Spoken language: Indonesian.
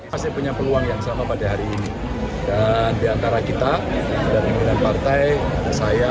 masih punya peluang yang sama pada hari ini dan diantara kita dari pimpinan partai saya